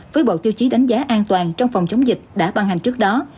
với bộ tiêu chí đánh giá an toàn trong phòng chống dịch đã ban hành trước đó